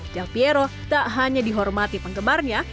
jal piero tak hanya dihormati penggemarnya